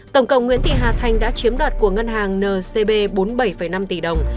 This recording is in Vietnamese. tổng cộng nguyễn thị hà thành đã chiếm đoạt của ngân hàng ncb bốn mươi bảy năm tỷ đồng